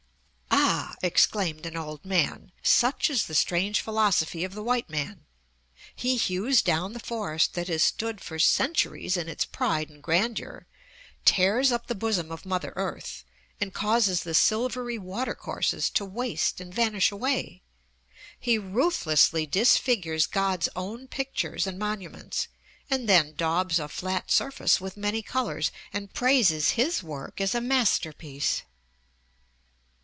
"Ah!" exclaimed an old man, "such is the strange philosophy of the white man! He hews down the forest that has stood for centuries in its pride and grandeur, tears up the bosom of mother earth, and causes the silvery watercourses to waste and vanish away. He ruthlessly disfigures God's own pictures and monuments, and then daubs a flat surface with many colors, and praises his work as a masterpiece!"